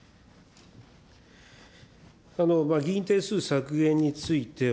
議員定数削減については、